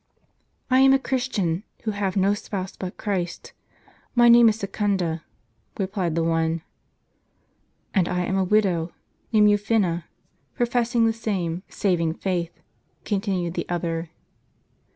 " I am a Christian, who have no spouse but Christ. My name is Secunda," replied the one. "And I am a widow, named Eufina, professing the same savdng faith," continued the other.